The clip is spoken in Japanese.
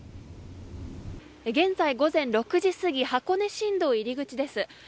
現在午前６時すぎ箱根新道入り口です。